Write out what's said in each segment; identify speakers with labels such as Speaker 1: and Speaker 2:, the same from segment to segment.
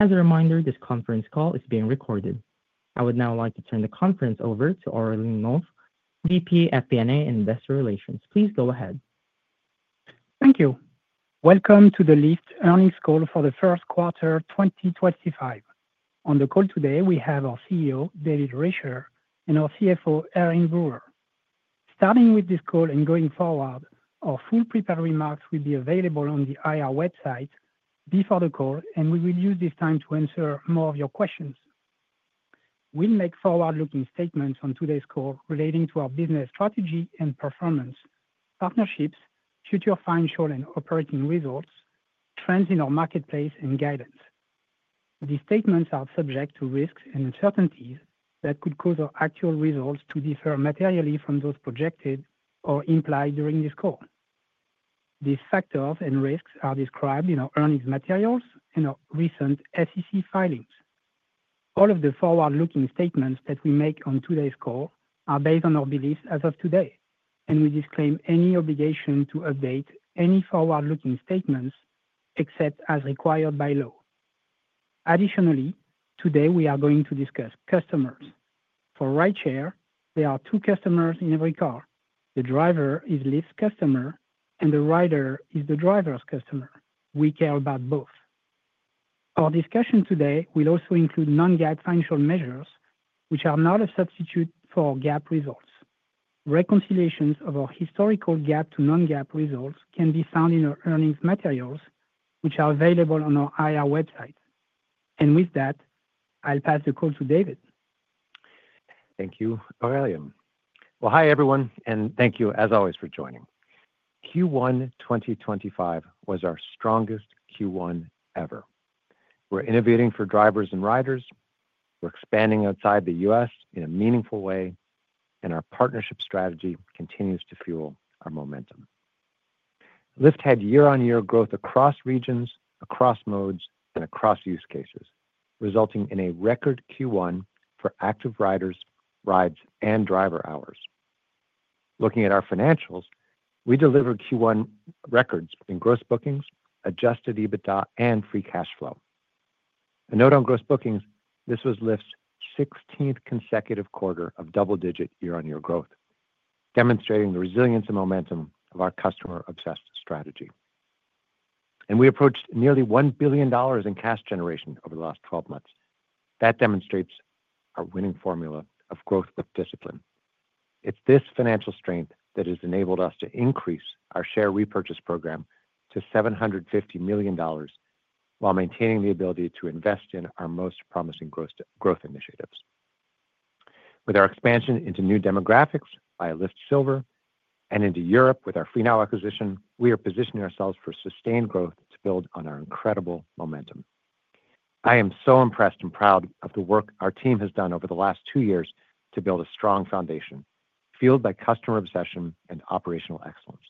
Speaker 1: As a reminder, this conference call is being recorded. I would now like to turn the conference over to Aurelien Nolf, VP at Investor Relations. Please go ahead.
Speaker 2: Thank you. Welcome to the Lyft Earnings Call for the First Quarter 2025. On the call today, we have our CEO, David Risher, and our CFO, Erin Brewer. Starting with this call and going forward, our full prepared remarks will be available on the IR website before the call, and we will use this time to answer more of your questions. We'll make forward-looking statements on today's call relating to our business strategy and performance, partnerships, future financial and operating results, trends in our marketplace, and guidance. These statements are subject to risks and uncertainties that could cause our actual results to differ materially from those projected or implied during this call. These factors and risks are described in our earnings materials and our recent SEC filings. All of the forward-looking statements that we make on today's call are based on our beliefs as of today, and we disclaim any obligation to update any forward-looking statements except as required by law. Additionally, today we are going to discuss customers. For rideshare there are two customers in every car. The driver is Lyft's customer, and the rider is the driver's customer. We care about both. Our discussion today will also include non-GAAP financial measures, which are not a substitute for GAAP results. Reconciliations of our historical GAAP to non-GAAP results can be found in our earnings materials, which are available on our IR website. With that, I'll pass the call to David.
Speaker 3: Thank you, Aurelien. Hi everyone, and thank you as always for joining. Q1 2025 was our strongest Q1 ever. We are innovating for drivers and riders. We are expanding outside the US in a meaningful way, and our partnership strategy continues to fuel our momentum. Lyft had year-on-year growth across regions, across modes, and across use cases, resulting in a record Q1 for active riders, rides, and driver hours. Looking at our financials, we delivered Q1 records in gross bookings, adjusted EBITDA, and free cash flow. A note on gross bookings, this was Lyft's 16th consecutive quarter of double-digit year-on-year growth, demonstrating the resilience and momentum of our customer-obsessed strategy. We approached nearly $1 billion in cash generation over the last 12 months. That demonstrates our winning formula of growth with discipline. It's this financial strength that has enabled us to increase our share repurchase program to $750 million while maintaining the ability to invest in our most promising growth initiatives. With our expansion into new demographics by Lyft Silver and into Europe with our Freenow acquisition, we are positioning ourselves for sustained growth to build on our incredible momentum. I am so impressed and proud of the work our team has done over the last two years to build a strong foundation fueled by customer obsession and operational excellence.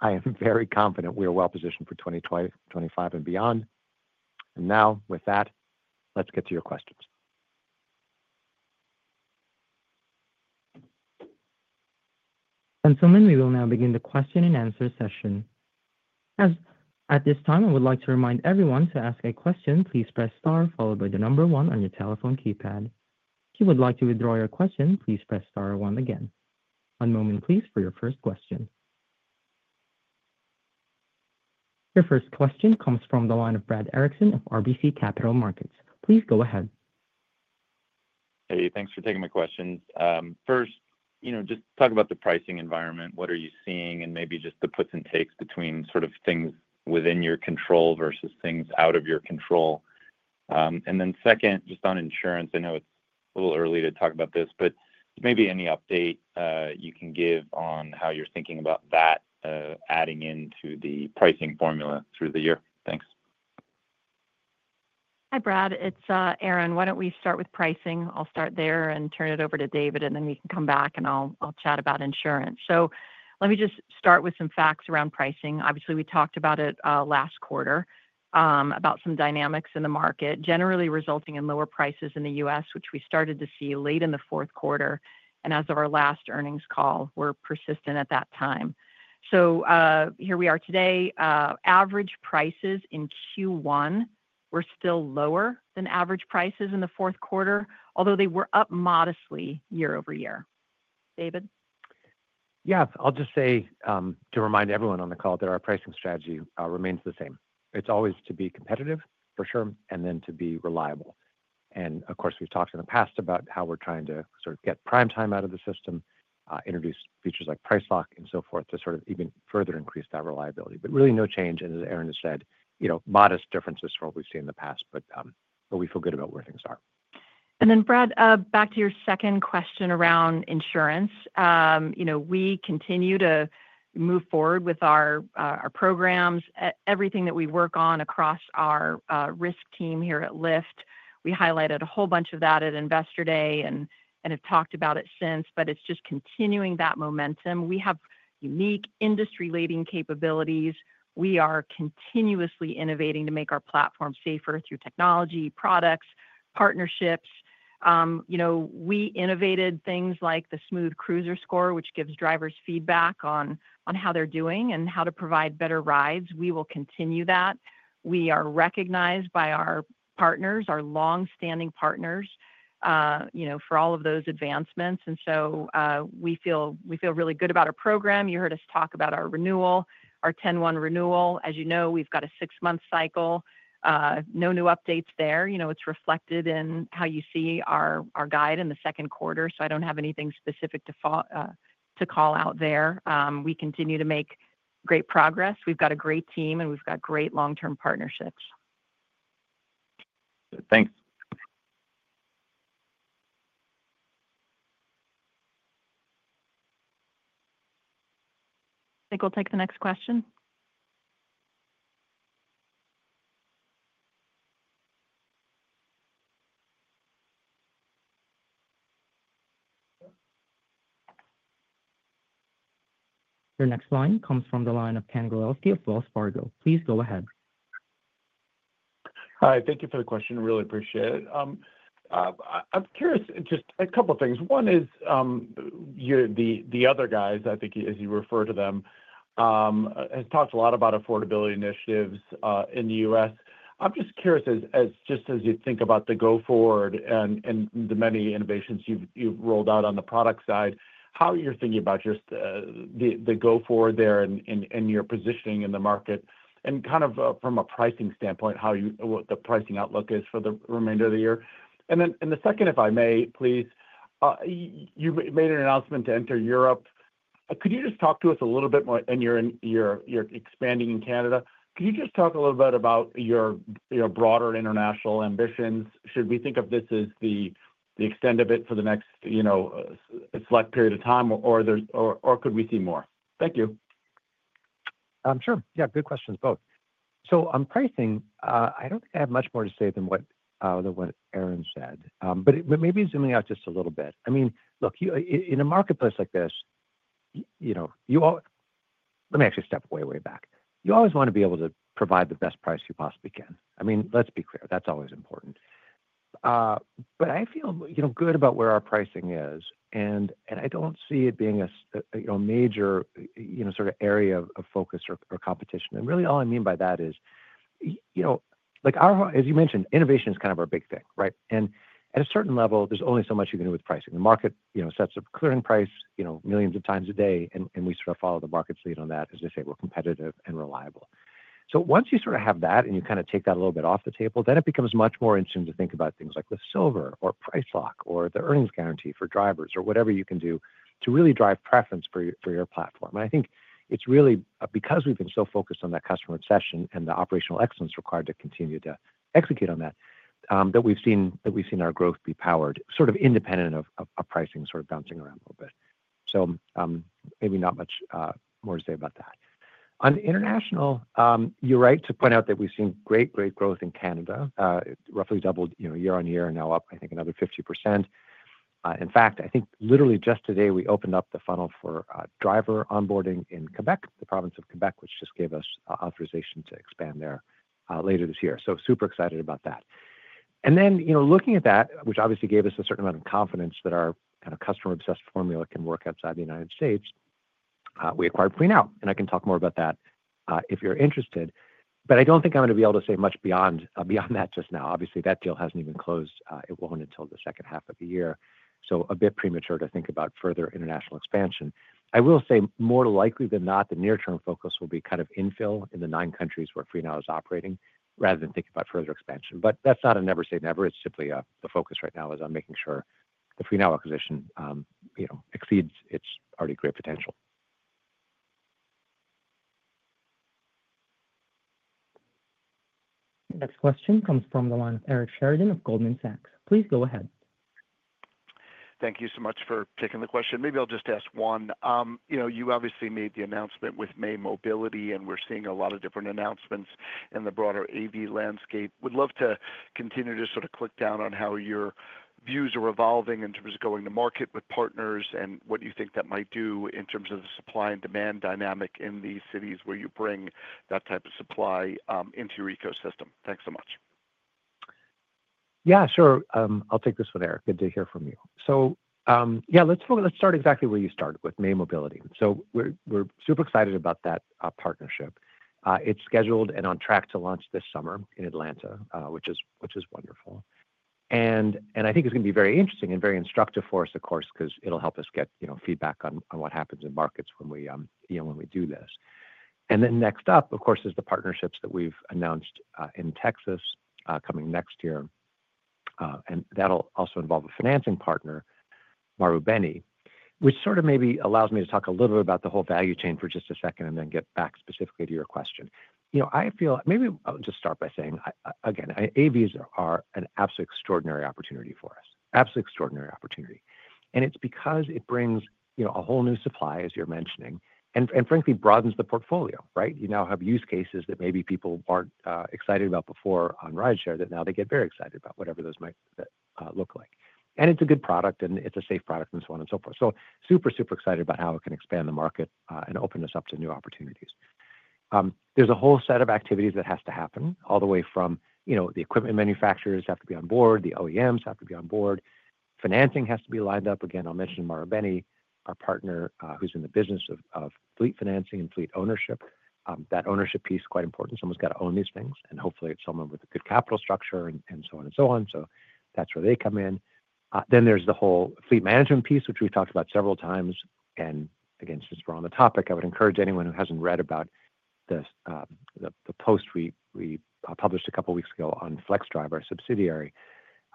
Speaker 3: I am very confident we are well positioned for 2025 and beyond. With that, let's get to your questions.
Speaker 1: We will now begin the question and answer session. At this time, I would like to remind everyone to ask a question, please press star followed by the number one on your telephone keypad. If you would like to withdraw your question, please press star one again. One moment, please, for your first question. Your first question comes from the line of Brad Erickson of RBC Capital Markets. Please go ahead.
Speaker 4: Hey, thanks for taking my questions. First, you know, just talk about the pricing environment. What are you seeing? Maybe just the puts and takes between sort of things within your control versus things out of your control. Then second, just on insurance, I know it's a little early to talk about this, but maybe any update you can give on how you're thinking about that adding into the pricing formula through the year. Thanks.
Speaker 5: Hi, Brad. It's Erin. Why don't we start with pricing? I'll start there and turn it over to David, and then we can come back and I'll chat about insurance. Let me just start with some facts around pricing. Obviously, we talked about it last quarter about some dynamics in the market generally resulting in lower prices in the US, which we started to see late in the fourth quarter. As of our last earnings call, they were persistent at that time. Here we are today. Average prices in Q1 were still lower than average prices in the fourth quarter, although they were up modestly year over year. David?
Speaker 3: Yeah, I'll just say to remind everyone on the call that our pricing strategy remains the same. It's always to be competitive, for sure, and then to be reliable. Of course, we've talked in the past about how we're trying to sort of get prime time out of the system, introduce features like Price Lock and so forth to sort of even further increase that reliability. Really no change, as Erin has said, you know, modest differences from what we've seen in the past, but we feel good about where things are.
Speaker 5: Brad, back to your second question around insurance. You know, we continue to move forward with our programs. Everything that we work on across our risk team here at Lyft, we highlighted a whole bunch of that at Investor Day and have talked about it since, but it is just continuing that momentum. We have unique industry-leading capabilities. We are continuously innovating to make our platform safer through technology, products, partnerships. You know, we innovated things like the Smooth Cruiser Score, which gives drivers feedback on how they are doing and how to provide better rides. We will continue that. We are recognized by our partners, our long-standing partners, you know, for all of those advancements. We feel really good about our program. You heard us talk about our renewal, our 10-1 renewal. As you know, we have got a six-month cycle. No new updates there. You know, it's reflected in how you see our guide in the second quarter. I don't have anything specific to call out there. We continue to make great progress. We've got a great team, and we've got great long-term partnerships.
Speaker 4: Thanks.
Speaker 2: I think we'll take the next question.
Speaker 1: Your next line comes from the line of Ken Gawrelski of Wells Fargo. Please go ahead.
Speaker 6: Hi, thank you for the question. Really appreciate it. I'm curious, just a couple of things. One is the other guys, I think, as you refer to them, have talked a lot about affordability initiatives in the U.S. I'm just curious, just as you think about the go forward and the many innovations you've rolled out on the product side, how you're thinking about just the go forward there and your positioning in the market and kind of from a pricing standpoint, how the pricing outlook is for the remainder of the year. The second, if I may, please, you made an announcement to enter Europe. Could you just talk to us a little bit more? And you're expanding in Canada. Could you just talk a little bit about your broader international ambitions? Should we think of this as the extent of it for the next, you know, select period of time, or could we see more? Thank you.
Speaker 3: Sure. Yeah, good questions, both. On pricing, I do not have much more to say than what Erin said, but maybe zooming out just a little bit. I mean, look, in a marketplace like this, you know, let me actually step way, way back. You always want to be able to provide the best price you possibly can. I mean, let's be clear. That is always important. I feel, you know, good about where our pricing is, and I do not see it being a major, you know, sort of area of focus or competition. Really all I mean by that is, you know, like our, as you mentioned, innovation is kind of our big thing, right? At a certain level, there is only so much you can do with pricing. The market, you know, sets a clearing price, you know, millions of times a day, and we sort of follow the market's lead on that. As they say, we're competitive and reliable. Once you sort of have that and you kind of take that a little bit off the table, it becomes much more interesting to think about things like the Silver or Price Lock or the earnings guarantee for drivers or whatever you can do to really drive preference for your platform. I think it's really because we've been so focused on that customer obsession and the operational excellence required to continue to execute on that that we've seen our growth be powered sort of independent of pricing sort of bouncing around a little bit. Maybe not much more to say about that. On international, you're right to point out that we've seen great, great growth in Canada, roughly doubled year on year and now up, I think, another 50%. In fact, I think literally just today we opened up the funnel for driver onboarding in Quebec, the province of Quebec, which just gave us authorization to expand there later this year. Super excited about that. You know, looking at that, which obviously gave us a certain amount of confidence that our kind of customer-obsessed formula can work outside the U.S., we acquired FreeNow. I can talk more about that if you're interested, but I don't think I'm going to be able to say much beyond that just now. Obviously, that deal hasn't even closed. It won't until the second half of the year. A bit premature to think about further international expansion. I will say more likely than not, the near-term focus will be kind of infill in the nine countries where FreeNow is operating rather than thinking about further expansion. That is not a never say never. It is simply the focus right now is on making sure the FreeNow acquisition, you know, exceeds its already great potential.
Speaker 1: Next question comes from the line of Eric Sheridan of Goldman Sachs. Please go ahead.
Speaker 7: Thank you so much for taking the question. Maybe I'll just ask one. You know, you obviously made the announcement with May Mobility, and we're seeing a lot of different announcements in the broader AV landscape. Would love to continue to sort of click down on how your views are evolving in terms of going to market with partners and what you think that might do in terms of the supply and demand dynamic in these cities where you bring that type of supply into your ecosystem. Thanks so much.
Speaker 3: Yeah, sure. I'll take this one, Eric. Good to hear from you. Let's start exactly where you started with May Mobility. We're super excited about that partnership. It's scheduled and on track to launch this summer in Atlanta, which is wonderful. I think it's going to be very interesting and very instructive for us, of course, because it'll help us get feedback on what happens in markets when we do this. Next up, of course, is the partnerships that we've announced in Texas coming next year. That'll also involve a financing partner, Marubeni, which sort of maybe allows me to talk a little bit about the whole value chain for just a second and then get back specifically to your question. You know, I feel maybe I'll just start by saying, again, AVs are an absolutely extraordinary opportunity for us. Absolutely extraordinary opportunity. It is because it brings, you know, a whole new supply, as you're mentioning, and frankly, broadens the portfolio, right? You now have use cases that maybe people were not excited about before on rideshare that now they get very excited about, whatever those might look like. It is a good product, and it is a safe product, and so on and so forth. Super, super excited about how it can expand the market and open us up to new opportunities. There is a whole set of activities that has to happen all the way from, you know, the equipment manufacturers have to be on board, the OEMs have to be on board. Financing has to be lined up. Again, I'll mention Marubeni, our partner who is in the business of fleet financing and fleet ownership. That ownership piece is quite important. Someone's got to own these things, and hopefully it's someone with a good capital structure and so on and so on. That's where they come in. There's the whole fleet management piece, which we've talked about several times. Again, since we're on the topic, I would encourage anyone who hasn't read about the post we published a couple of weeks ago on FlexDrive, our subsidiary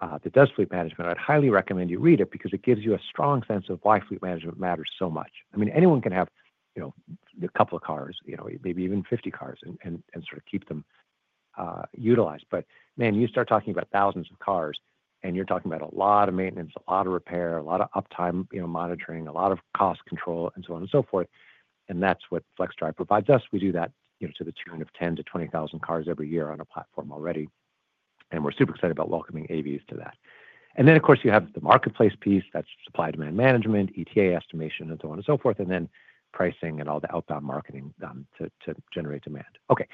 Speaker 3: that does fleet management. I'd highly recommend you read it because it gives you a strong sense of why fleet management matters so much. I mean, anyone can have, you know, a couple of cars, you know, maybe even 50 cars and sort of keep them utilized. Man, you start talking about thousands of cars, and you're talking about a lot of maintenance, a lot of repair, a lot of uptime, you know, monitoring, a lot of cost control, and so on and so forth. That's what FlexDrive provides us. We do that, you know, to the tune of 10,000-20,000 cars every year on a platform already. We're super excited about welcoming AVs to that. Of course, you have the marketplace piece. That's supply-demand management, ETA estimation, and so on and so forth, and then pricing and all the outbound marketing to generate demand. Okay.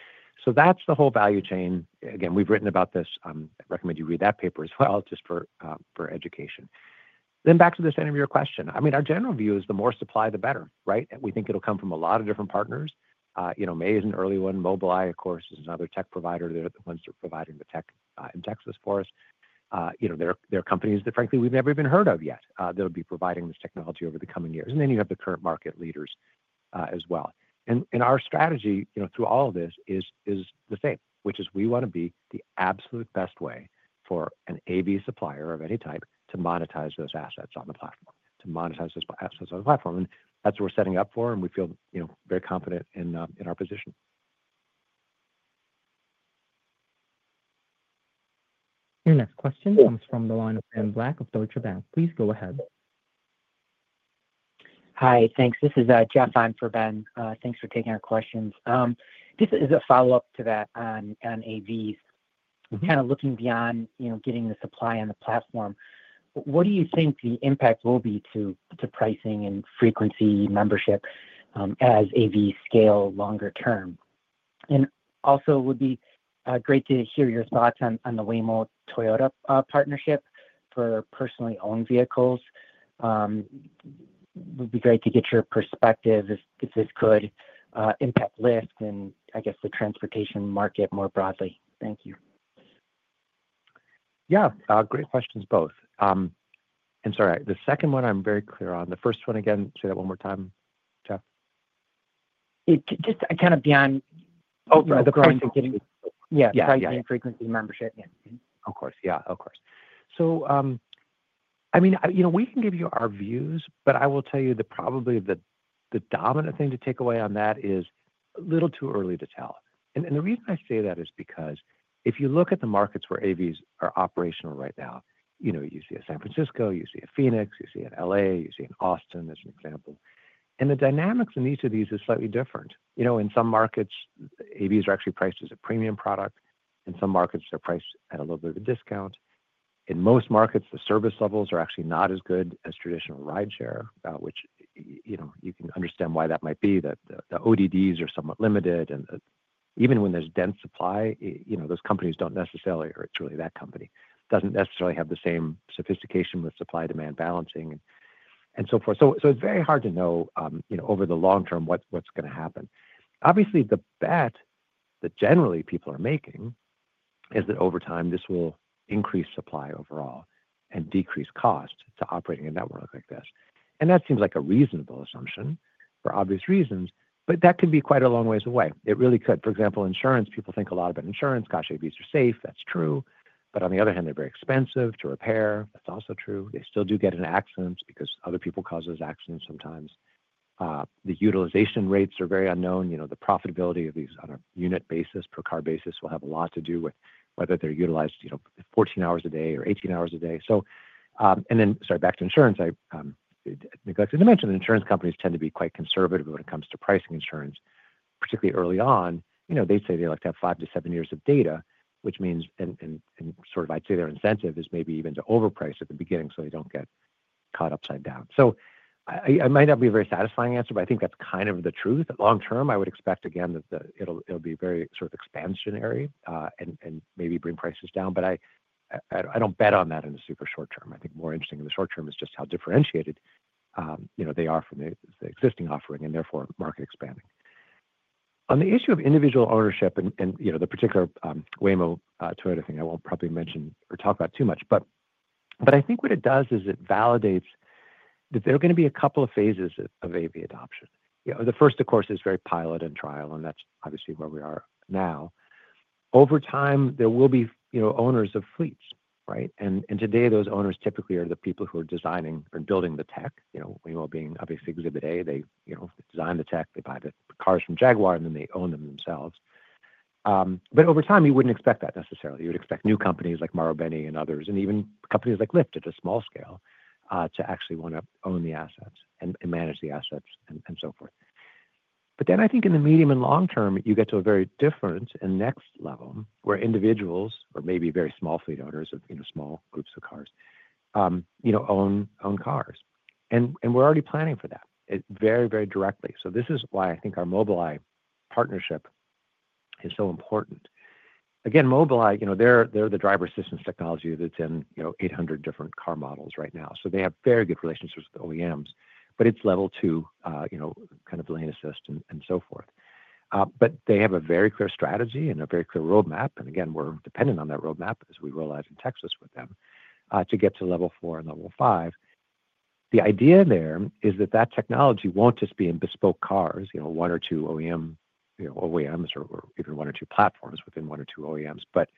Speaker 3: That's the whole value chain. Again, we've written about this. I recommend you read that paper as well just for education. Back to the center of your question. I mean, our general view is the more supply, the better, right?
Speaker 6: We think it'll come from a lot of different partners. You know, May is an early one. Mobileye, of course, is another tech provider. They're the ones that are providing the tech in Texas for us. You know, there are companies that, frankly, we've never even heard of yet that will be providing this technology over the coming years. You have the current market leaders as well. Our strategy, you know, through all of this is the same, which is we want to be the absolute best way for an AV supplier of any type to monetize those assets on the platform, to monetize those assets on the platform. That's what we're setting up for, and we feel, you know, very confident in our position.
Speaker 1: Your next question comes from the line of Ben Black of Deutsche Bank. Please go ahead.
Speaker 8: Hi, thanks. This is Jeffrey on for Ben. Thanks for taking our questions. This is a follow-up to that on AVs. Kind of looking beyond, you know, getting the supply on the platform, what do you think the impact will be to pricing and frequency membership as AVs scale longer term? Also, would be great to hear your thoughts on the Waymo-Toyota partnership for personally owned vehicles. It would be great to get your perspective if this could impact Lyft and, I guess, the transportation market more broadly. Thank you.
Speaker 3: Yeah, great questions, both. I'm sorry, the second one I'm very clear on. The first one, again, say that one more time, Jeff.
Speaker 8: Just kind of beyond.
Speaker 3: Oh, the pricing.
Speaker 8: Yeah, pricing and frequency membership.
Speaker 3: Of course. Yeah, of course. I mean, you know, we can give you our views, but I will tell you that probably the dominant thing to take away on that is a little too early to tell. The reason I say that is because if you look at the markets where AVs are operational right now, you know, you see a San Francisco, you see a Phoenix, you see an LA, you see an Austin, as an example. The dynamics in each of these is slightly different. You know, in some markets, AVs are actually priced as a premium product. In some markets, they're priced at a little bit of a discount. In most markets, the service levels are actually not as good as traditional rideshare, which, you know, you can understand why that might be. The ODDs are somewhat limited. Even when there's dense supply, you know, those companies don't necessarily, or it's really that company, doesn't necessarily have the same sophistication with supply-demand balancing and so forth. It is very hard to know, you know, over the long term what's going to happen. Obviously, the bet that generally people are making is that over time this will increase supply overall and decrease cost to operating a network like this. That seems like a reasonable assumption for obvious reasons, but that can be quite a long ways away. It really could. For example, insurance, people think a lot about insurance. Gosh, AVs are safe. That's true. On the other hand, they're very expensive to repair. That's also true. They still do get in accidents because other people cause those accidents sometimes. The utilization rates are very unknown. You know, the profitability of these on a unit basis, per car basis, will have a lot to do with whether they're utilized, you know, 14 hours a day or 18 hours a day. Sorry, back to insurance, I neglected to mention that insurance companies tend to be quite conservative when it comes to pricing insurance, particularly early on. You know, they say they like to have five to seven years of data, which means, and sort of I'd say their incentive is maybe even to overprice at the beginning so they don't get caught upside down. I might not be a very satisfying answer, but I think that's kind of the truth. Long term, I would expect, again, that it'll be very sort of expansionary and maybe bring prices down. I don't bet on that in the super short term. I think more interesting in the short term is just how differentiated, you know, they are from the existing offering and therefore market expanding. On the issue of individual ownership and, you know, the particular Waymo-Toyota thing, I won't probably mention or talk about too much, but I think what it does is it validates that there are going to be a couple of phases of AV adoption. The first, of course, is very pilot and trial, and that's obviously where we are now. Over time, there will be, you know, owners of fleets, right? And today, those owners typically are the people who are designing and building the tech. You know, Waymo being obviously Exhibit A, they, you know, design the tech, they buy the cars from Jaguar, and then they own them themselves. Over time, you wouldn't expect that necessarily. You would expect new companies like Marubeni and others, and even companies like Lyft at a small scale, to actually want to own the assets and manage the assets and so forth. I think in the medium and long term, you get to a very different and next level where individuals or maybe very small fleet owners of, you know, small groups of cars, you know, own cars. We're already planning for that very, very directly. This is why I think our Mobileye partnership is so important. Again, Mobileye, you know, they're the driver assistance technology that's in, you know, 800 different car models right now. They have very good relationships with OEMs, but it's level two, you know, kind of lane assist and so forth. They have a very clear strategy and a very clear roadmap. We're dependent on that roadmap as we roll out in Texas with them to get to level four and level five. The idea there is that that technology won't just be in bespoke cars, you know, one or two OEMs or even one or two platforms within one or two OEMs, but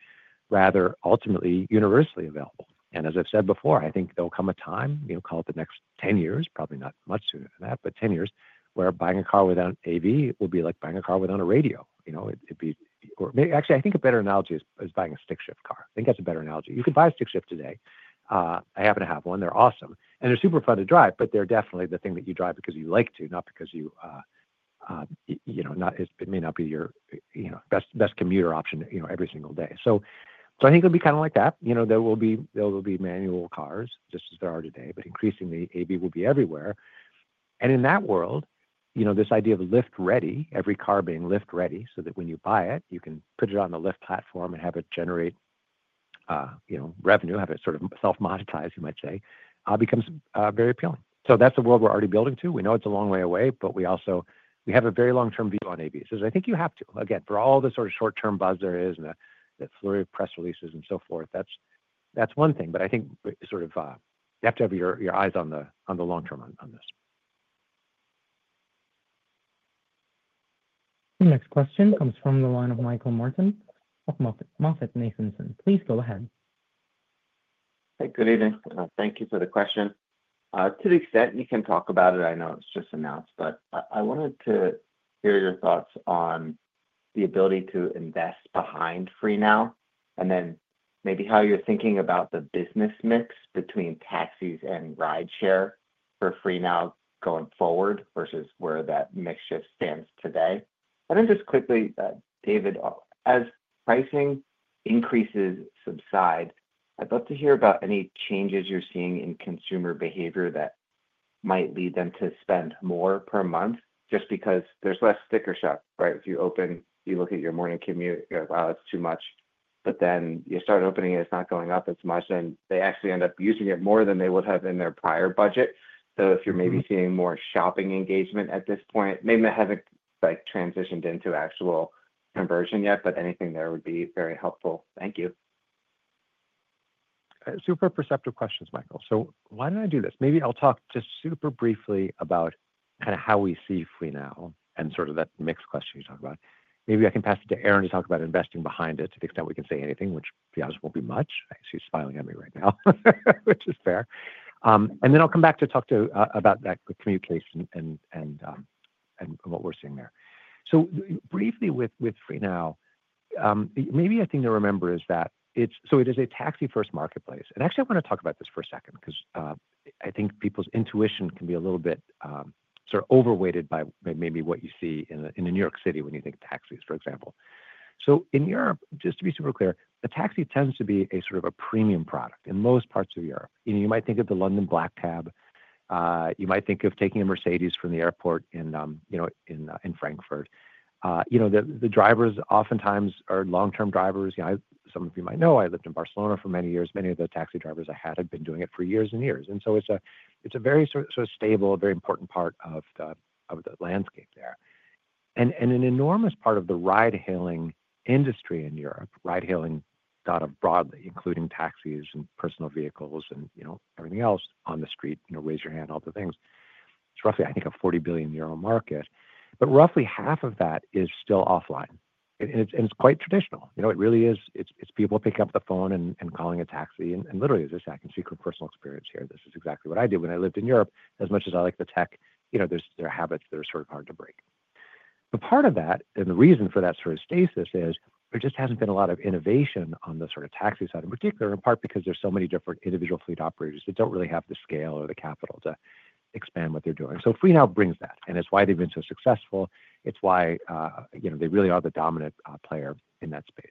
Speaker 3: rather ultimately universally available. As I've said before, I think there'll come a time, you know, call it the next 10 years, probably not much sooner than that, but 10 years where buying a car without an AV will be like buying a car without a radio. You know, it'd be, or actually, I think a better analogy is buying a stick shift car. I think that's a better analogy. You can buy a stick shift today. I happen to have one. They're awesome. They're super fun to drive, but they're definitely the thing that you drive because you like to, not because you, you know, it may not be your, you know, best commuter option, you know, every single day. I think it'll be kind of like that. You know, there will be manual cars just as there are today, but increasingly AV will be everywhere. In that world, you know, this idea of Lyft Ready, every car being Lyft Ready, so that when you buy it, you can put it on the Lyft platform and have it generate, you know, revenue, have it sort of self-monetize, you might say, becomes very appealing. That's the world we're already building to. We know it's a long way away, but we also have a very long-term view on AVs. I think you have to, again, for all the sort of short-term buzz there is and the flurry of press releases and so forth. That is one thing, but I think you have to have your eyes on the long term on this.
Speaker 1: Your next question comes from the line of Michael Nathanson of Moffett Nathanson. Please go ahead.
Speaker 9: Hey, good evening. Thank you for the question. To the extent you can talk about it, I know it's just announced, but I wanted to hear your thoughts on the ability to invest behind FreeNow and then maybe how you're thinking about the business mix between taxis and rideshare for FreeNow going forward versus where that mixture stands today. Then just quickly, David, as pricing increases subside, I'd love to hear about any changes you're seeing in consumer behavior that might lead them to spend more per month just because there's less sticker shock, right? If you open, you look at your morning commute, you're like, wow, it's too much. Then you start opening it, it's not going up as much, and they actually end up using it more than they would have in their prior budget. If you're maybe seeing more shopping engagement at this point, maybe they haven't like transitioned into actual conversion yet, but anything there would be very helpful. Thank you.
Speaker 3: Super perceptive questions, Michael. Why don't I do this? Maybe I'll talk just super briefly about kind of how we see FreeNow and sort of that mixed question you talked about. Maybe I can pass it to Erin to talk about investing behind it to the extent we can say anything, which to be honest won't be much. I see you smiling at me right now, which is fair. I will come back to talk about that communication and what we're seeing there. Briefly with FreeNow, maybe a thing to remember is that it is a taxi-first marketplace. Actually, I want to talk about this for a second because I think people's intuition can be a little bit sort of overweighted by maybe what you see in New York City when you think taxis, for example. In Europe, just to be super clear, a taxi tends to be a sort of a premium product in most parts of Europe. You know, you might think of the London black cab. You might think of taking a Mercedes from the airport in, you know, in Frankfurt. You know, the drivers oftentimes are long-term drivers. You know, some of you might know, I lived in Barcelona for many years. Many of the taxi drivers I had had been doing it for years and years. It is a very sort of stable, very important part of the landscape there. An enormous part of the ride-hailing industry in Europe, ride-hailing broadly, including taxis and personal vehicles and, you know, everything else on the street, you know, raise your hand, all the things, it's roughly, I think, a 40 billion euro market, but roughly half of that is still offline. It's quite traditional. You know, it really is, it's people picking up the phone and calling a taxi. Literally, as I said, I can speak from personal experience here. This is exactly what I did when I lived in Europe. As much as I like the tech, you know, there are habits that are sort of hard to break. Part of that, and the reason for that sort of stasis, is there just has not been a lot of innovation on the sort of taxi side in particular, in part because there are so many different individual fleet operators that do not really have the scale or the capital to expand what they are doing. FreeNow brings that, and it is why they have been so successful. It is why, you know, they really are the dominant player in that space.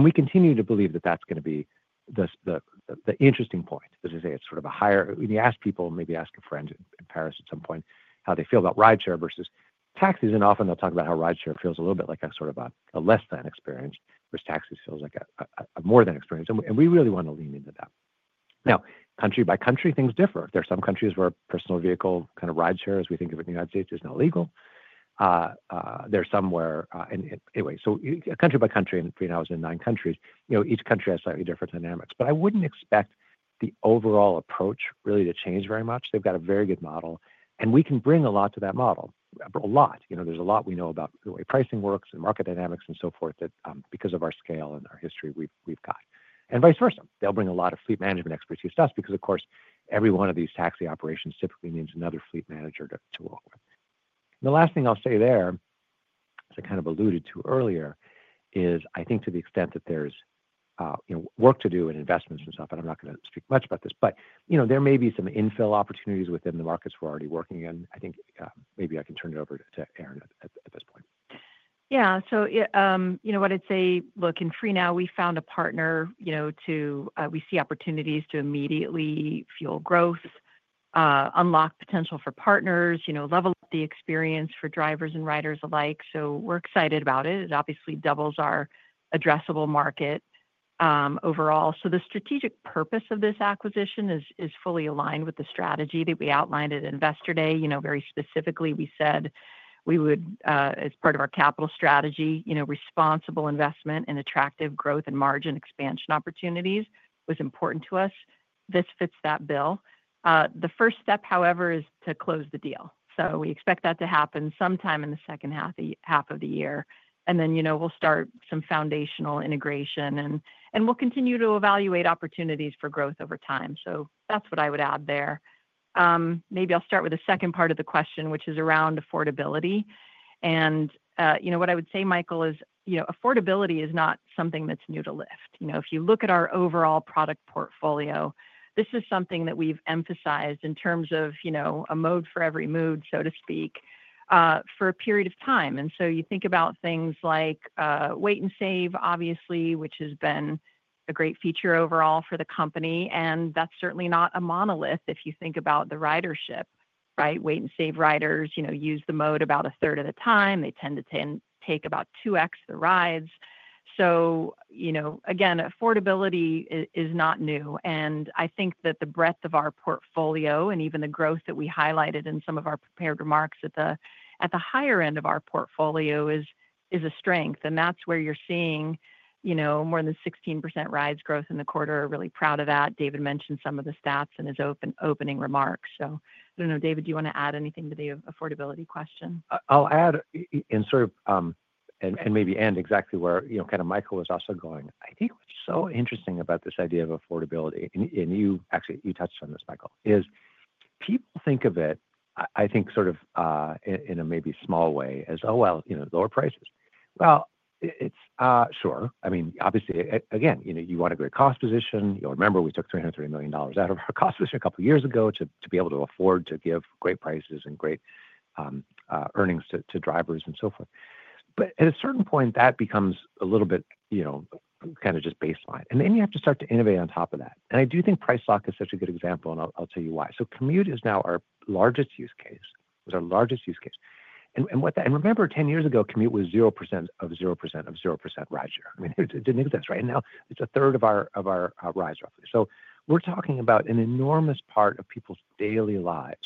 Speaker 3: We continue to believe that is going to be the interesting point. As I say, it is sort of a higher, when you ask people, maybe ask a friend in Paris at some point how they feel about rideshare versus taxis, and often they will talk about how rideshare feels a little bit like a sort of a less-than experience, whereas taxis feels like a more-than experience. We really want to lean into that. Now, country by country, things differ. There are some countries where personal vehicle kind of rideshare as we think of it in the U.S. is not legal. There are some where, anyway, country by country, and FreeNow is in nine countries, you know, each country has slightly different dynamics. I would not expect the overall approach really to change very much. They have a very good model, and we can bring a lot to that model, a lot. You know, there is a lot we know about the way pricing works and market dynamics and so forth that because of our scale and our history we have. And vice versa, they will bring a lot of fleet management expertise to us because, of course, every one of these taxi operations typically needs another fleet manager to work with. The last thing I'll say there, as I kind of alluded to earlier, is I think to the extent that there's, you know, work to do and investments and stuff, and I'm not going to speak much about this, but, you know, there may be some infill opportunities within the markets we're already working in. I think maybe I can turn it over to Erin at this point.
Speaker 5: Yeah. So, you know, what I'd say, look, in FreeNow, we found a partner, you know, to we see opportunities to immediately fuel growth, unlock potential for partners, you know, level up the experience for drivers and riders alike. So we're excited about it. It obviously doubles our addressable market overall. The strategic purpose of this acquisition is fully aligned with the strategy that we outlined at Investor Day. You know, very specifically, we said we would, as part of our capital strategy, you know, responsible investment and attractive growth and margin expansion opportunities was important to us. This fits that bill. The first step, however, is to close the deal. We expect that to happen sometime in the second half of the year. You know, we'll start some foundational integration, and we'll continue to evaluate opportunities for growth over time. That's what I would add there. Maybe I'll start with the second part of the question, which is around affordability. You know, what I would say, Michael, is, you know, affordability is not something that's new to Lyft. If you look at our overall product portfolio, this is something that we've emphasized in terms of, you know, a mode for every mood, so to speak, for a period of time. You think about things like Wait and Save, obviously, which has been a great feature overall for the company. That's certainly not a monolith if you think about the ridership, right? Wait and Save riders, you know, use the mode about a third of the time. They tend to take about 2x the rides. You know, again, affordability is not new. I think that the breadth of our portfolio and even the growth that we highlighted in some of our prepared remarks at the higher end of our portfolio is a strength. That is where you're seeing, you know, more than 16% rides growth in the quarter. Really proud of that. David mentioned some of the stats in his opening remarks. I don't know, David, do you want to add anything to the affordability question?
Speaker 3: I'll add and sort of, and maybe end exactly where, you know, kind of Michael was also going. I think what's so interesting about this idea of affordability, and you actually, you touched on this, Michael, is people think of it, I think, sort of in a maybe small way as, oh, well, you know, lower prices. It's sure. I mean, obviously, again, you know, you want a great cost position. You'll remember we took $330 million out of our cost position a couple of years ago to be able to afford to give great prices and great earnings to drivers and so forth. At a certain point, that becomes a little bit, you know, kind of just baseline. You have to start to innovate on top of that. I do think Price Lock is such a good example, and I'll tell you why. Commute is now our largest use case. It's our largest use case. And remember, 10 years ago, commute was 0% of 0% of 0% rideshare. I mean, it didn't exist, right? Now it's a third of our rides, roughly. We're talking about an enormous part of people's daily lives.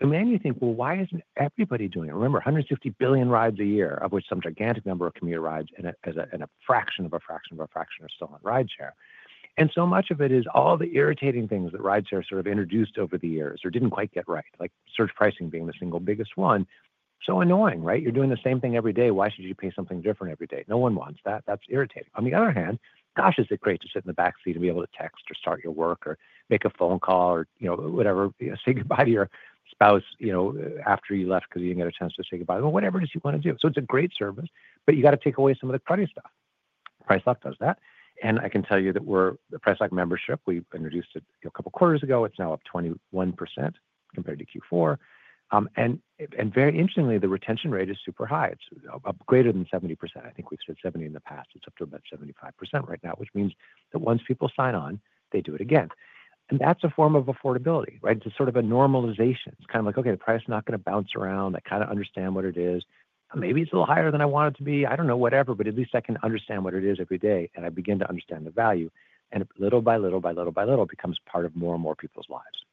Speaker 3: You think, why isn't everybody doing it? Remember, 150 billion rides a year, of which some gigantic number of commuter rides and a fraction of a fraction of a fraction are still on rideshare. So much of it is all the irritating things that rideshare sort of introduced over the years or didn't quite get right, like surge pricing being the single biggest one. So annoying, right? You're doing the same thing every day. Why should you pay something different every day? No one wants that. That's irritating. On the other hand, gosh, is it great to sit in the back seat and be able to text or start your work or make a phone call or, you know, whatever, say goodbye to your spouse, you know, after you left because you did not get a chance to say goodbye. Whatever it is you want to do. It is a great service, but you got to take away some of the cruddy stuff. Price Lock does that. I can tell you that with the Price Lock membership, we introduced it a couple of quarters ago. It is now up 21% compared to Q4. Very interestingly, the retention rate is super high. It is greater than 70%. I think we have said 70% in the past. It is up to about 75% right now, which means that once people sign on, they do it again. That is a form of affordability, right? It's sort of a normalization. It's kind of like, okay, the price is not going to bounce around. I kind of understand what it is. Maybe it's a little higher than I want it to be. I don't know, whatever, but at least I can understand what it is every day. I begin to understand the value. Little by little, by little, by little, it becomes part of more and more people's lives.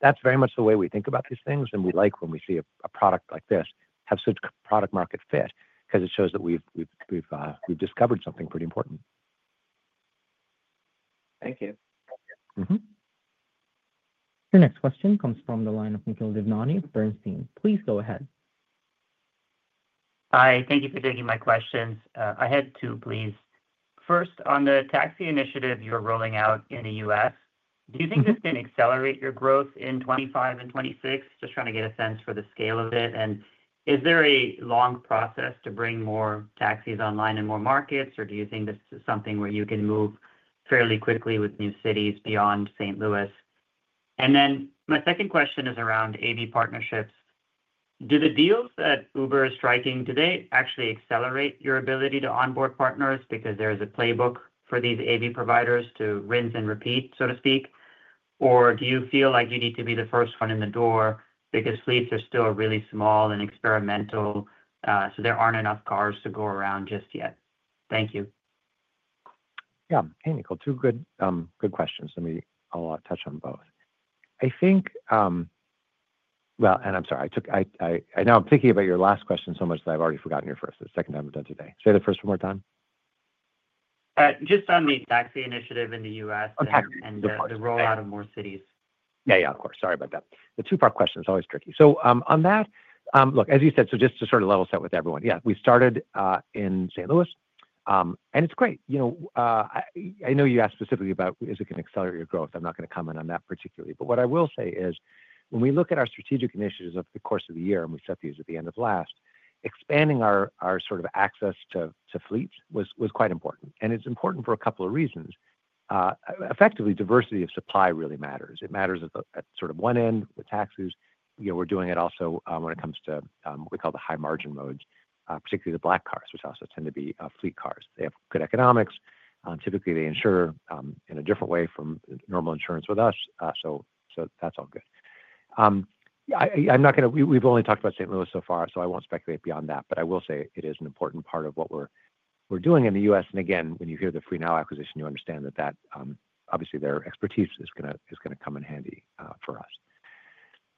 Speaker 3: That is very much the way we think about these things. We like when we see a product like this have such product-market fit because it shows that we've discovered something pretty important.
Speaker 9: Thank you.
Speaker 1: Your next question comes from the line of Nikhil Devnani of Bernstein. Please go ahead.
Speaker 10: Hi. Thank you for taking my questions. I had two pleas. First, on the taxi initiative you're rolling out in the US, do you think this can accelerate your growth in 2025 and 2026? Just trying to get a sense for the scale of it. Is there a long process to bring more taxis online in more markets, or do you think this is something where you can move fairly quickly with new cities beyond St. Louis? My second question is around AV partnerships. Do the deals that Uber is striking today actually accelerate your ability to onboard partners because there is a playbook for these AV providers to rinse and repeat, so to speak? Or do you feel like you need to be the first one in the door because fleets are still really small and experimental, so there aren't enough cars to go around just yet? Thank you.
Speaker 3: Yeah. Hey, Nikhil, two good questions. Let me touch on both. I think, and I'm sorry, now I'm thinking about your last question so much that I've already forgotten your first. It's the second time I've done it today. Say the first one more time.
Speaker 10: Just on the taxi initiative in the US and the rollout of more cities.
Speaker 3: Yeah, yeah, of course. Sorry about that. The two-part question is always tricky. On that, look, as you said, just to sort of level set with everyone, yeah, we started in St. Louis. It is great. You know, I know you asked specifically about is it going to accelerate your growth. I'm not going to comment on that particularly. What I will say is when we look at our strategic initiatives over the course of the year, and we set these at the end of last, expanding our sort of access to fleets was quite important. It is important for a couple of reasons. Effectively, diversity of supply really matters. It matters at sort of one end with taxis. You know, we're doing it also when it comes to what we call the high-margin modes, particularly the black cars, which also tend to be fleet cars. They have good economics. Typically, they insure in a different way from normal insurance with us. That is all good. I'm not going to, we've only talked about St. Louis so far, so I won't speculate beyond that. I will say it is an important part of what we're doing in the U.S. Again, when you hear the FreeNow acquisition, you understand that obviously their expertise is going to come in handy for us.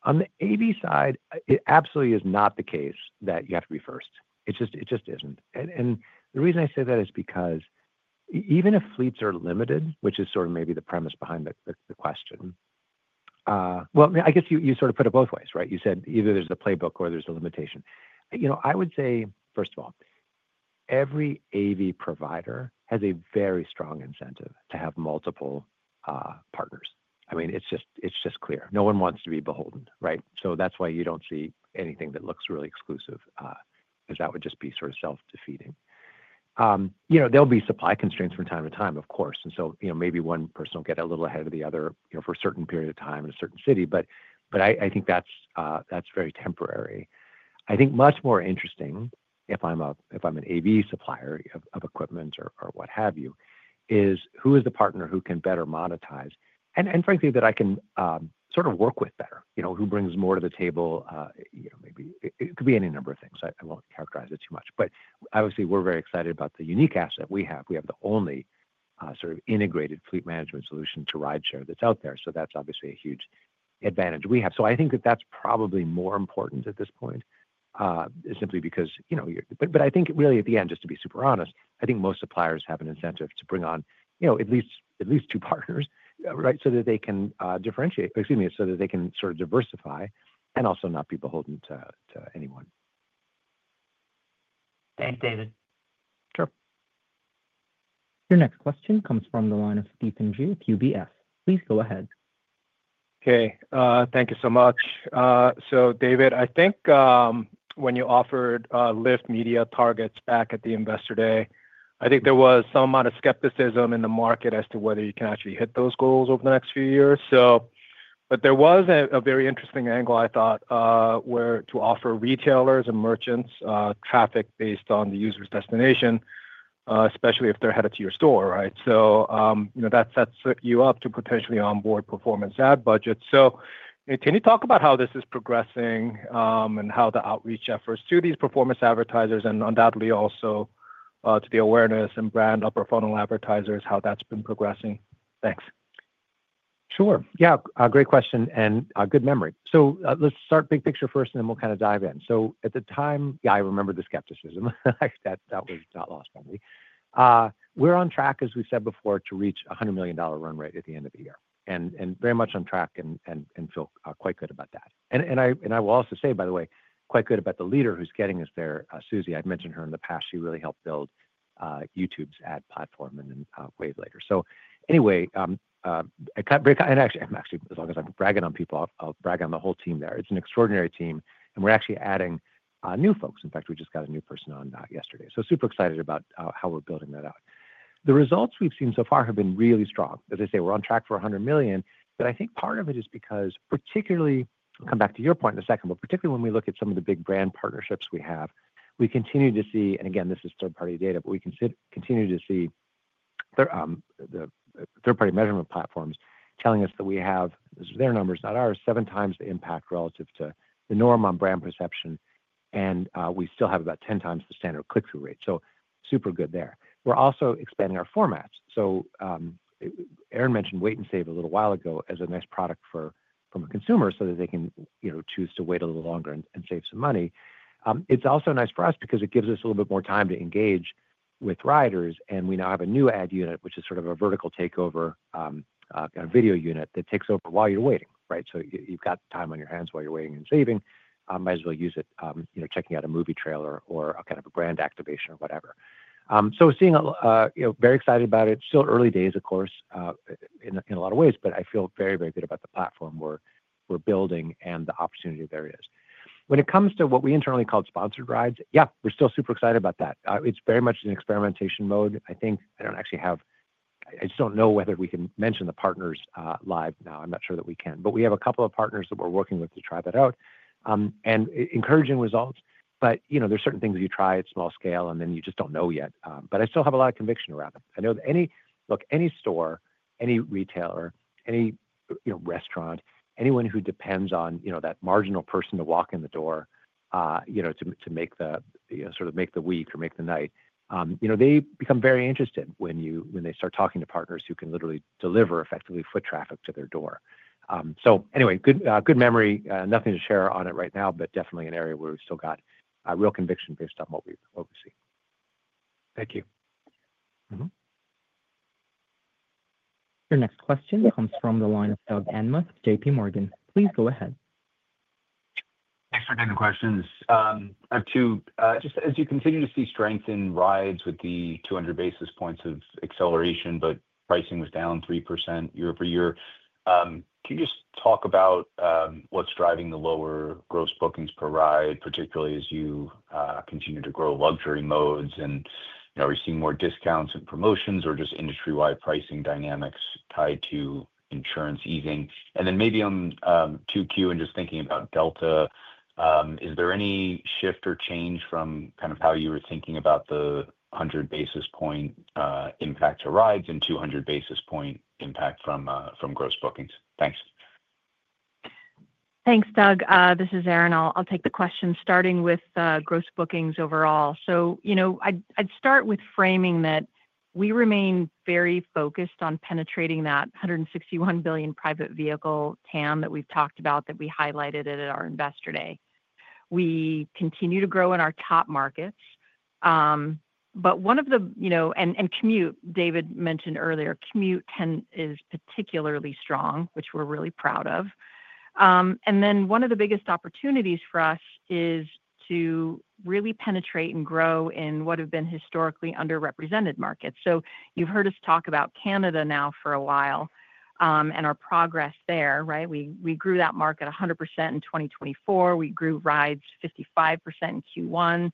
Speaker 3: On the AV side, it absolutely is not the case that you have to be first. It just isn't. The reason I say that is because even if fleets are limited, which is sort of maybe the premise behind the question, I guess you sort of put it both ways, right? You said either there's a playbook or there's a limitation. You know, I would say, first of all, every AV provider has a very strong incentive to have multiple partners. I mean, it's just clear. No one wants to be beholden, right? That's why you don't see anything that looks really exclusive because that would just be sort of self-defeating. You know, there'll be supply constraints from time to time, of course. You know, maybe one person will get a little ahead of the other, you know, for a certain period of time in a certain city. I think that's very temporary. I think much more interesting, if I'm an AV supplier of equipment or what have you, is who is the partner who can better monetize and, frankly, that I can sort of work with better? You know, who brings more to the table? You know, maybe it could be any number of things. I won't characterize it too much. Obviously, we're very excited about the unique asset we have. We have the only sort of integrated fleet management solution to rideshare that's out there. That's obviously a huge advantage we have. I think that's probably more important at this point simply because, you know, I think really at the end, just to be super honest, I think most suppliers have an incentive to bring on, you know, at least two partners, right, so that they can differentiate, excuse me, so that they can sort of diversify and also not be beholden to anyone.
Speaker 10: Thanks, David.
Speaker 3: Sure.
Speaker 1: Your next question comes from the line of Stephen Ju at UBS. Please go ahead.
Speaker 11: Okay. Thank you so much. David, I think when you offered Lyft Media targets back at the Investor Day, I think there was some amount of skepticism in the market as to whether you can actually hit those goals over the next few years. There was a very interesting angle, I thought, where to offer retailers and merchants traffic based on the user's destination, especially if they're headed to your store, right? You know, that sets you up to potentially onboard performance ad budgets. Can you talk about how this is progressing and how the outreach efforts to these performance advertisers and undoubtedly also to the awareness and brand upper funnel advertisers, how that's been progressing? Thanks.
Speaker 3: Sure. Yeah. Great question. And good memory. Let's start big picture first, and then we'll kind of dive in. At the time, yeah, I remember the skepticism. That was not lost on me. We're on track, as we said before, to reach a $100 million run rate at the end of the year. Very much on track and feel quite good about that. I will also say, by the way, quite good about the leader who's getting us there, Susie. I've mentioned her in the past. She really helped build YouTube's ad platform and then Wave later. Anyway, I cut break. Actually, as long as I'm bragging on people, I'll brag on the whole team there. It's an extraordinary team. We're actually adding new folks. In fact, we just got a new person on yesterday. Super excited about how we're building that out. The results we've seen so far have been really strong. As I say, we're on track for $100 million. I think part of it is because, particularly, I'll come back to your point in a second, but particularly when we look at some of the big brand partnerships we have, we continue to see, and again, this is third-party data, but we continue to see third-party measurement platforms telling us that we have, this is their numbers, not ours, seven times the impact relative to the norm on brand perception. We still have about 10 times the standard click-through rate. Super good there. We're also expanding our formats. Aaron mentioned Wait and Save a little while ago as a nice product from a consumer so that they can choose to wait a little longer and save some money. It's also nice for us because it gives us a little bit more time to engage with riders. We now have a new ad unit, which is sort of a vertical takeover video unit that takes over while you're waiting, right? You've got time on your hands while you're waiting and saving. Might as well use it, you know, checking out a movie trailer or kind of a brand activation or whatever. Very excited about it. Still early days, of course, in a lot of ways, but I feel very, very good about the platform we're building and the opportunity there is. When it comes to what we internally called sponsored rides, yeah, we're still super excited about that. It's very much in experimentation mode. I think I don't actually have, I just don't know whether we can mention the partners live now. I'm not sure that we can. We have a couple of partners that we're working with to try that out and encouraging results. You know, there are certain things you try at small scale, and then you just don't know yet. I still have a lot of conviction around it. I know that any, look, any store, any retailer, any, you know, restaurant, anyone who depends on, you know, that marginal person to walk in the door, you know, to make the, you know, sort of make the week or make the night, you know, they become very interested when they start talking to partners who can literally deliver effectively foot traffic to their door. Good memory. Nothing to share on it right now, but definitely an area where we've still got real conviction based on what we see.
Speaker 11: Thank you.
Speaker 1: Your next question comes from the line of Doug Anmuth, JP Morgan. Please go ahead.
Speaker 12: Thanks for taking the questions. I have two. Just as you continue to see strength in rides with the 200 basis points of acceleration, but pricing was down 3% year over year. Can you just talk about what's driving the lower gross bookings per ride, particularly as you continue to grow luxury modes and, you know, are you seeing more discounts and promotions or just industry-wide pricing dynamics tied to insurance easing? Then maybe on 2Q and just thinking about Delta, is there any shift or change from kind of how you were thinking about the 100 basis point impact to rides and 200 basis point impact from gross bookings? Thanks.
Speaker 5: Thanks, Doug. This is Erin. I'll take the question starting with gross bookings overall. You know, I'd start with framing that we remain very focused on penetrating that 161 billion private vehicle TAM that we've talked about, that we highlighted at our Investor Day. We continue to grow in our top markets. One of the, you know, and commute, David mentioned earlier, commute is particularly strong, which we're really proud of. One of the biggest opportunities for us is to really penetrate and grow in what have been historically underrepresented markets. You've heard us talk about Canada now for a while and our progress there, right? We grew that market 100% in 2024. We grew rides 55% in Q1.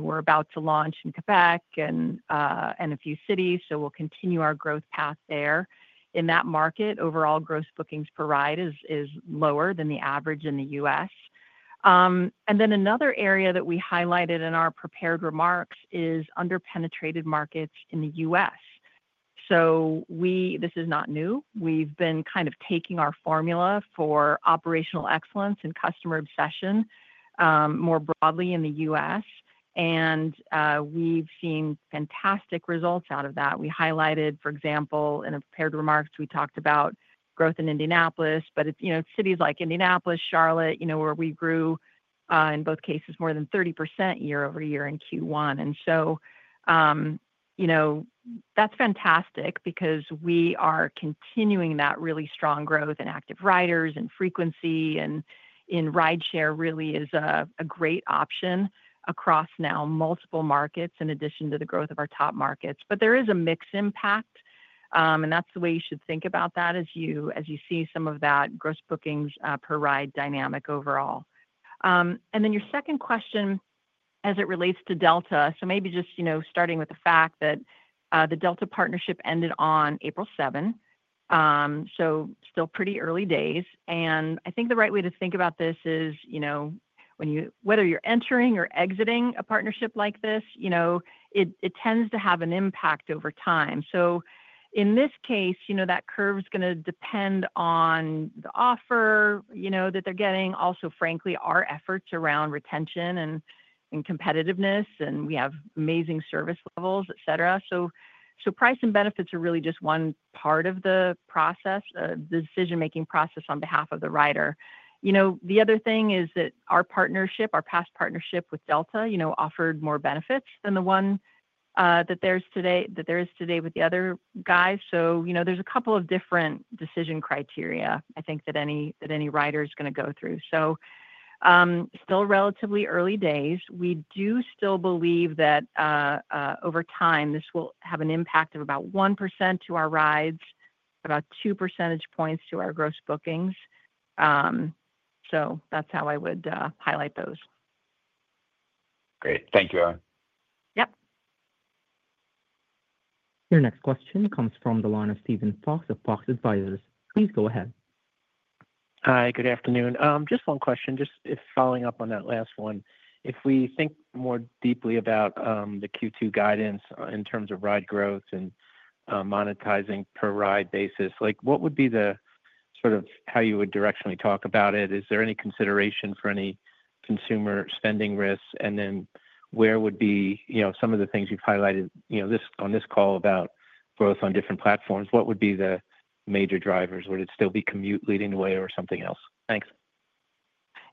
Speaker 5: We're about to launch in Quebec and a few cities. We'll continue our growth path there. In that market, overall gross bookings per ride is lower than the average in the U.S. Another area that we highlighted in our prepared remarks is underpenetrated markets in the U.S. This is not new. We've been kind of taking our formula for operational excellence and customer obsession more broadly in the U.S. We've seen fantastic results out of that. We highlighted, for example, in our prepared remarks, we talked about growth in Indianapolis, but it's, you know, cities like Indianapolis, Charlotte, you know, where we grew in both cases more than 30% year over year in Q1. You know, that's fantastic because we are continuing that really strong growth in active riders and frequency and in rideshare really is a great option across now multiple markets in addition to the growth of our top markets. There is a mixed impact. That's the way you should think about that as you see some of that gross bookings per ride dynamic overall. Your second question as it relates to Delta, maybe just starting with the fact that the Delta partnership ended on April 7th. Still pretty early days. I think the right way to think about this is, you know, when you, whether you're entering or exiting a partnership like this, it tends to have an impact over time. In this case, that curve is going to depend on the offer that they're getting. Also, frankly, our efforts around retention and competitiveness, and we have amazing service levels, et cetera. Price and benefits are really just one part of the process, the decision-making process on behalf of the rider. You know, the other thing is that our partnership, our past partnership with Delta, you know, offered more benefits than the one that there is today with the other guys. You know, there's a couple of different decision criteria, I think, that any rider is going to go through. Still relatively early days. We do still believe that over time this will have an impact of about 1% to our rides, about 2 percentage points to our gross bookings. That's how I would highlight those.
Speaker 12: Great. Thank you, Erin.
Speaker 5: Yep.
Speaker 1: Your next question comes from the line of Steven Fox of Fox Advisors. Please go ahead.
Speaker 13: Hi, good afternoon. Just one question, just following up on that last one. If we think more deeply about the Q2 guidance in terms of ride growth and monetizing per ride basis, like what would be the sort of how you would directionally talk about it? Is there any consideration for any consumer spending risks? You know, and then where would be, you know, some of the things you've highlighted, you know, on this call about growth on different platforms, what would be the major drivers? Would it still be commute leading the way or something else? Thanks.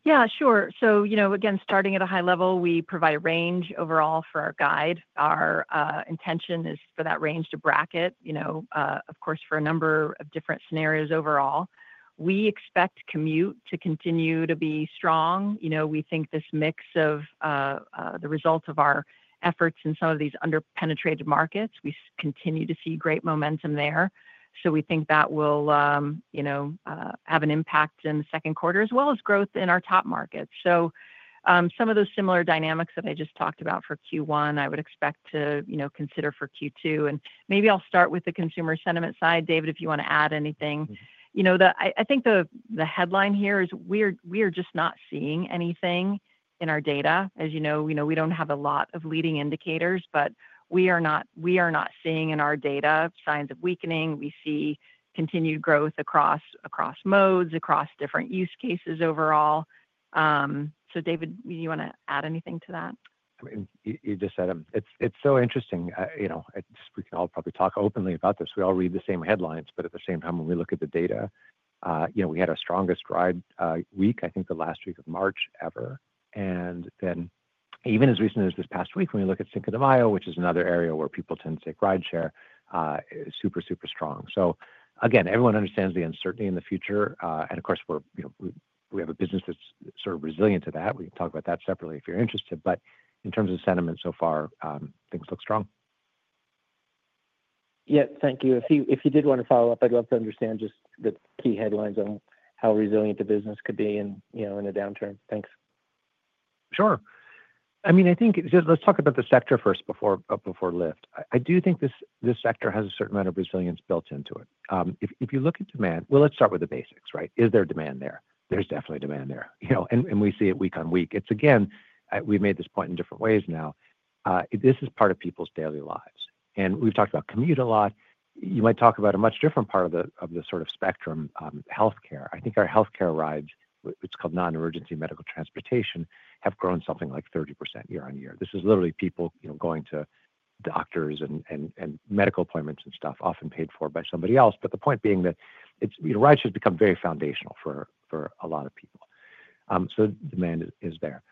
Speaker 13: Yeah, sure. So, you know, again, starting at a high level, we provide a range overall for our guide. Our intention is for that range to bracket, you know, of course, for a number of different scenarios overall. We expect commute to continue to be strong. You know, we think this mix of the results of our efforts in some of these underpenetrated markets, we continue to see great momentum there. We think that will, you know, have an impact in the second quarter, as well as growth in our top markets. Some of those similar dynamics that I just talked about for Q1, I would expect to, you know, consider for Q2. Maybe I'll start with the consumer sentiment side. David, if you want to add anything. I think the headline here is we are just not seeing anything in our data. As you know, we do not have a lot of leading indicators, but we are not seeing in our data signs of weakening. We see continued growth across modes, across different use cases overall. David, do you want to add anything to that?
Speaker 3: I mean, you just said it. It's so interesting. You know, we can all probably talk openly about this. We all read the same headlines, but at the same time, when we look at the data, you know, we had our strongest ride week, I think the last week of March ever. And then even as recently as this past week, when we look at Cinco de Mayo, which is another area where people tend to take rideshare, super, super strong. Again, everyone understands the uncertainty in the future. Of course, we have a business that's sort of resilient to that. We can talk about that separately if you're interested. In terms of sentiment so far, things look strong.
Speaker 13: Yeah, thank you. If you did want to follow up, I'd love to understand just the key headlines on how resilient the business could be in, you know, in a downturn. Thanks.
Speaker 3: Sure. I mean, I think let's talk about the sector first before Lyft. I do think this sector has a certain amount of resilience built into it. If you look at demand, let's start with the basics, right? Is there demand there? There's definitely demand there. You know, and we see it week on week. Again, we've made this point in different ways now. This is part of people's daily lives. We've talked about commute a lot. You might talk about a much different part of the sort of spectrum, healthcare. I think our healthcare rides, it's called non-emergency medical transportation, have grown something like 30% year on year. This is literally people, you know, going to doctors and medical appointments and stuff, often paid for by somebody else. The point being that rides have become very foundational for a lot of people. Demand is there.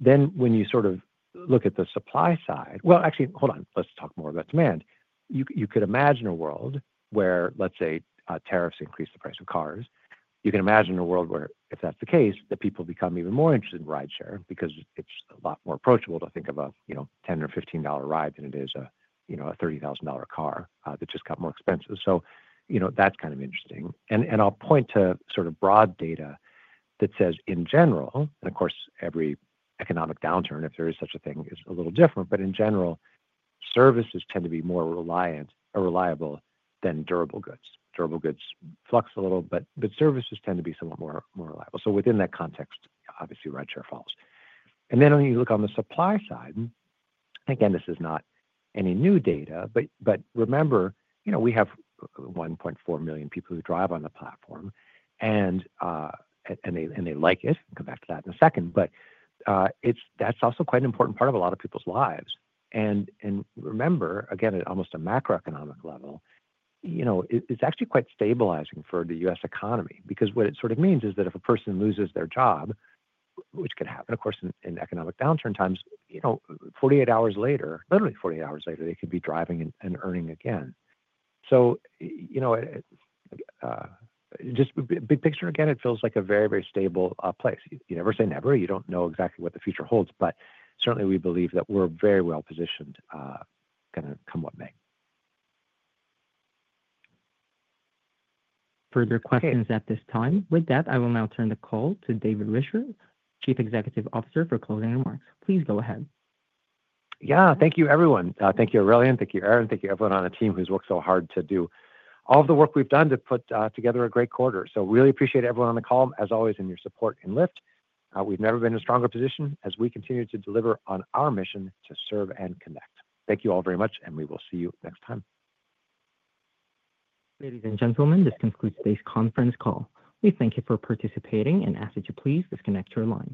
Speaker 3: When you sort of look at the supply side, actually, hold on, let's talk more about demand. You could imagine a world where, let's say, tariffs increase the price of cars. You can imagine a world where, if that's the case, people become even more interested in rideshare because it's a lot more approachable to think of a, you know, $10 or $15 ride than it is a, you know, a $30,000 car that just got more expensive. You know, that's kind of interesting. I'll point to sort of broad data that says, in general, and of course, every economic downturn, if there is such a thing, is a little different. In general, services tend to be more reliable than durable goods. Durable goods flux a little, but services tend to be somewhat more reliable. Within that context, obviously, rideshare falls. And then when you look on the supply side, again, this is not any new data, but remember, you know, we have 1.4 million people who drive on the platform. And they like it. I'll come back to that in a second. But that's also quite an important part of a lot of people's lives. And remember, again, at almost a macroeconomic level, you know, it's actually quite stabilizing for the U.S. economy because what it sort of means is that if a person loses their job, which could happen, of course, in economic downturn times, you know, 48 hours later, literally 48 hours later, they could be driving and earning again. So, you know, just big picture again, it feels like a very, very stable place. You never say never. You don't know exactly what the future holds. Certainly, we believe that we're very well positioned going to come what may.
Speaker 1: Further questions at this time. With that, I will now turn the call to David Risher, Chief Executive Officer, for closing remarks. Please go ahead.
Speaker 3: Yeah, thank you, everyone. Thank you, Aurelien. Thank you, Erin. Thank you, everyone on the team who's worked so hard to do all of the work we've done to put together a great quarter. I really appreciate everyone on the call, as always, and your support in Lyft. We've never been in a stronger position as we continue to deliver on our mission to serve and connect. Thank you all very much, and we will see you next time.
Speaker 1: Ladies and gentlemen, this concludes today's conference call. We thank you for participating and ask that you please disconnect your line.